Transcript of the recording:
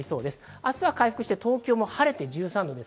明日は回復して、東京も晴れて１３度。